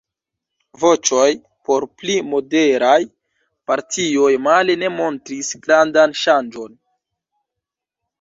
Voĉoj por pli moderaj partioj male ne montris grandan ŝanĝon.